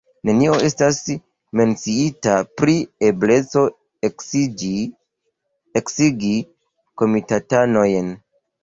Nenio estas menciita pri ebleco eksigi komitatanojn.